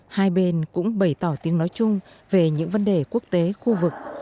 hai bên cũng bày tỏ tiếng nói chung về những vấn đề quốc tế khu vực